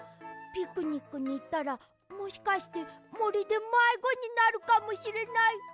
ピクニックにいったらもしかしてもりでまいごになるかもしれない。